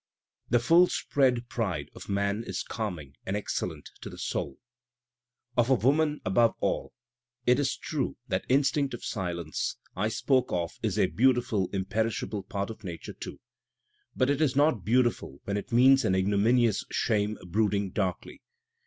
*'* The full spread pride of man is calming and excellent to the soul,' "Of a woman above all. It is true that instinct of silence I spoke of is a beautiful, imperishable part of nature too. Digitized by Google WHITMAN 225 But it is not beautiful when it means an ignominious shame brooding darkly.